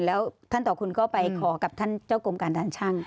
แล้วท่านต่อคุณก็ไปขอกับท่านเจ้ากรมการด่านช่าง